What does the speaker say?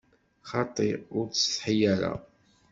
Xaṭi, ur ttsetḥi ara!